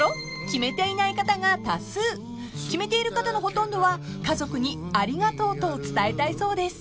［決めている方のほとんどは家族に「ありがとう」と伝えたいそうです］